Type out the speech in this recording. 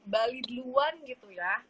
bali duluan gitu